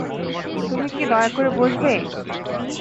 তুমি কি দয়া করে বসবে?